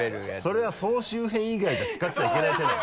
それは総集編以外では使っちゃいけない手なんだよ。